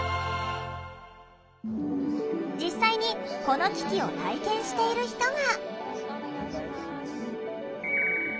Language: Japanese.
実際にこの機器を体験している人が。